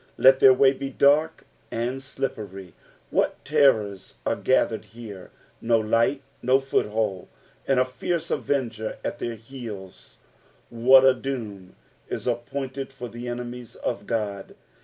Let their uay he dark and tlippery.^' What terrors are gathered here ! No light, no foothold, and a fierie avenger at their heels I '(Vhat a doom i» appointed for the enemies of God